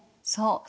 そう。